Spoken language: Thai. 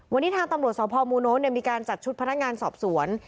วันนี้ทางตำรวจสพมูโน้ตมีการจัดชุดพนักงานสอบสวน